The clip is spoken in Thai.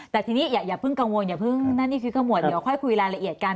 แต่ทีนี้อย่าเพิ่งกังวลเดี๋ยวพายัทคุยร้านละเอียดกัน